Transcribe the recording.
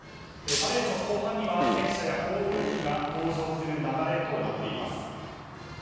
パレードの後半には戦車や航空機が登場する流れとなっています。